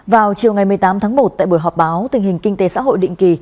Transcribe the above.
vào chiều ngày một mươi tám tháng một tại buổi họp báo tình hình kinh tế xã hội định kỳ